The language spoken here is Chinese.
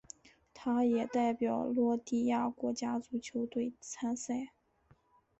他也代表克罗地亚国家足球队参赛。